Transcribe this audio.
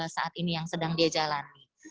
saat ini yang sedang dia jalani